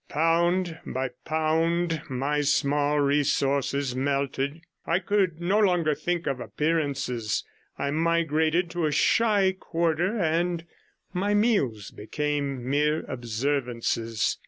Pound by pound, my small resources melted; I could no longer think of appearances; I migrated to a shy quarter, and my meals became mere observances.